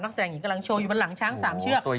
แสดงหญิงกำลังโชว์อยู่บนหลังช้าง๓เชือก